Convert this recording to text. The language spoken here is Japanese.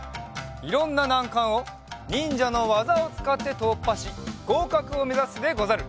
いろんななんかんをにんじゃのわざをつかってとっぱしごうかくをめざすでござる！